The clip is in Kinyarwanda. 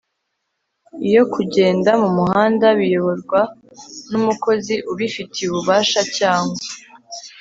iyo kugenda mu muhanda biyoborwa n umukozi ubifitiye ububasha cyangwa